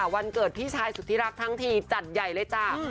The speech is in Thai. วันเกิดพี่ชายสุธิรักทั้งทีจัดใหญ่เลยจ้า